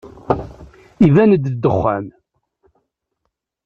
Iban-d ddexxan.